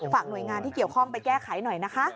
หน่วยงานที่เกี่ยวข้องไปแก้ไขหน่อยนะคะ